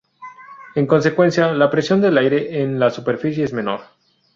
En consecuencia, la presión del aire en la superficie es menor.